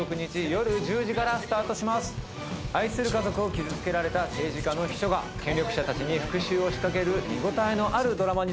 愛する家族を傷つけられた政治家の秘書が権力者たちに復讐を仕掛ける見応えのあるドラマになっています。